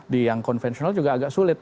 di yang konvensional juga agak sulit